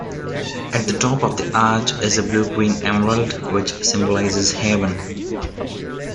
At the top of the arch is a blue-green emerald, which symbolises heaven.